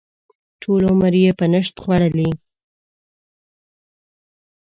ټول عمر یې په نشت خوړلی.